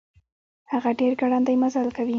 هغه ډير ګړندی مزل کوي.